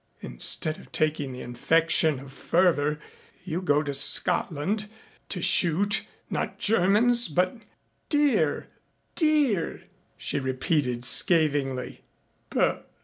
Instead of taking the infection of fervor you go to Scotland to shoot not Germans but deer! Deer!" she repeated scathingly.